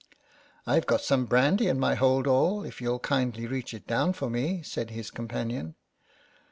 " IVe got some brandy in my hold all, if you'll kindly reach it down for me," said his companion.